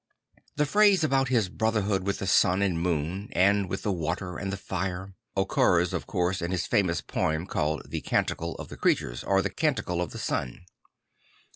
The phrase about his brotherhood with the sun and moon, and with the water and the fire, occurs of course in his famous poem called the Canticle of the Creatures or the Canticle of the Sun.